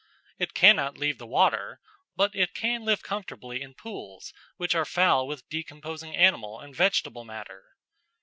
It cannot leave the water; but it can live comfortably in pools which are foul with decomposing animal and vegetable matter.